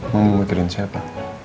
mau mikirin siapa